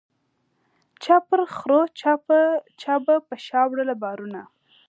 چا پر خرو چا به په شا وړله بارونه